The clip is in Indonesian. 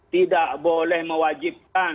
tidak boleh mewajibkan